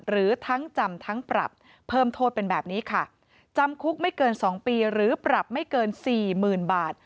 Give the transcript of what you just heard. หรือทั้งจำทั้งปรับเพิ่มโทษเป็นแบบนี้ค่ะจำคุกไม่เกิน๒ปีหรือปรับไม่เกินสี่หมื่นบาท